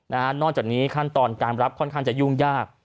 นอกจากนี้ขั้นตอนการรับค่อนข้างจะยุ่งยาก